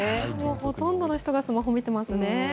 ほとんどの人がスマホを見ていますね。